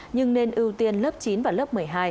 nhưng nên ưu tiên lớp chín và lớp một mươi hai